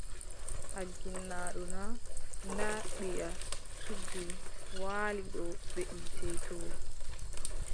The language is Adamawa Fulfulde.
A ginnaaɗo naa, ndaa ɓiya suddi waali dow beʼitte too.